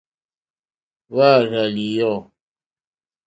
Wàà rzà lìyɔ̌.